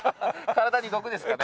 体に毒ですかね？